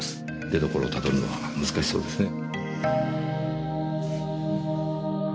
出所をたどるのは難しそうですね。